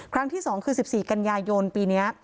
ครั้งที่๒คือ๑๔กันยายนปีนี้